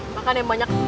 makan yang banyak